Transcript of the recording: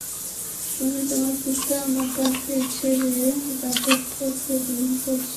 তুমি তোমার পিতা মাতাকে ছেড়ে দাসত্বকে গ্রহণ করছো?